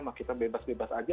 maka kita bebas bebas saja